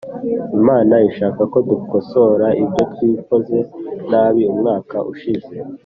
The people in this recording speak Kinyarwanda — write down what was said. Imana ishaka ko dukosora ibyo twikoze nabi umwaka ushize